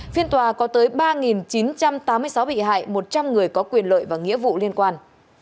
phiên tòa có tới ba chín trăm tám mươi sáu bị hại một trăm linh người có quyền lợi và nghĩa vụ liên quan